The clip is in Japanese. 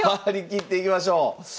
張り切っていきましょう！